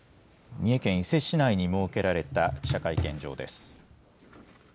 三重県伊勢市内に設けられた記者会見場です。